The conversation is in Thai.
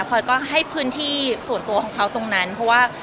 พอยก็ให้พื้นที่ส่วนตัวของเขาตรงนั้นเพราะว่า